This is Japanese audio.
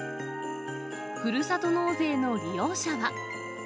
ふるさと納税の利用者は。